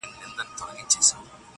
چي په ښكلي وه باغونه د انګورو.!